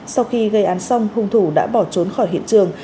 sau khi gây án xong hung thủ đã bỏ trốn khỏi hiện trường